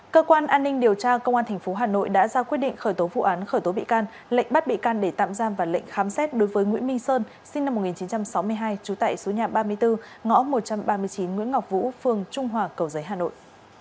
cơ quan an ninh điều tra công an tp hà nội đã ra quyết định khởi tố vụ án khởi tố bị can lệnh bắt bị can để tạm giam và lệnh khám xét đối với nguyễn minh sơn sinh năm một nghìn chín trăm sáu mươi hai trú tại số nhà ba mươi bốn ngõ một trăm ba mươi chín nguyễn ngọc vũ phường trung hòa cầu giấy hà nội